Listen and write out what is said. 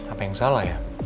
apa yang salah ya